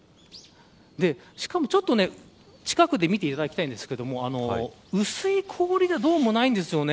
しかもちょっと近くで見ていただきたいんですがどうも薄い氷ではないんです。